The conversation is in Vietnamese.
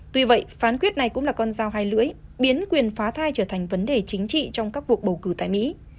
tuy vậy phán quyết này cũng là con dao hai lưỡi biến quyền phá thai trở thành vấn đề chính trị trong các cuộc bầu cử tại mỹ